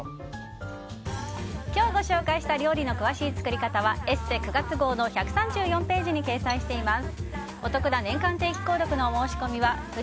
今日ご紹介した料理の詳しい作り方は「ＥＳＳＥ」９月号１３４ページに掲載しています。